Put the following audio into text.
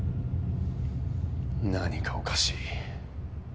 何かおかしい。